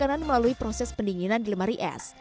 setelah itu makanan diberi proses pendinginan di lemari es